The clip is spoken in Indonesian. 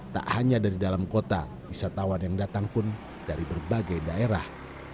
tak hanya dari dalam kota wisatawan yang datang pun dari berbagai daerah